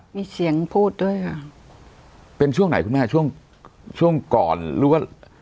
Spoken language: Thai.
มีเสียงพูดด้วยค่ะเป็นช่วงไหนคุณแม่ช่วงช่วงก่อนหรือว่า